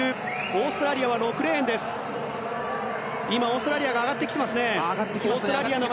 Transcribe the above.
オーストラリアが上がってきています。